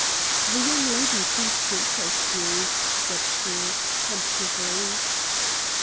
"The young lady seems to interest you," said she, tentatively.